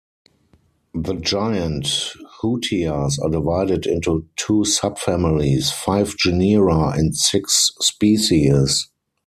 The giant hutias are divided into two subfamilies, five genera, and six species.